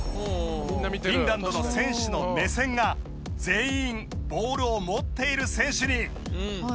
フィンランドの選手の目線が全員ボールを持っている選手に。